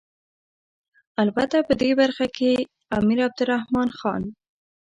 البته په دې برخه کې امیر عبدالرحمن خان.